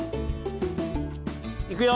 いくよ。